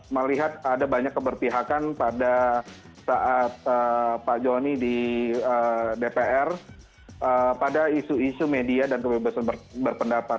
melihat ada banyak keberpihakan pada saat pak joni di dpr pada isu isu media dan kebebasan berpendapat